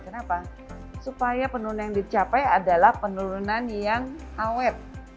kenapa supaya penurunan yang dicapai adalah penurunan yang awet